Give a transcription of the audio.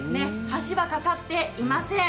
橋はかかっていません。